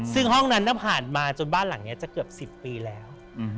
ซึ่งห้องนั้นผ่านมาจนบ้านหลังนี้จะเกือบ๑๐ปีแล้ว